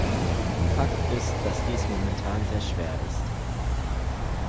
Fakt ist, dass dies momentan sehr schwer ist.